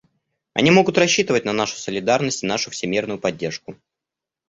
Они могут рассчитывать на нашу солидарность и нашу всемерную поддержку.